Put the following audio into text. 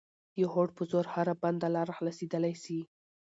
د هوډ په زور هره بنده لاره خلاصېدلای سي.